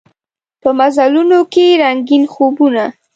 په مزلونوکې رنګین خوبونه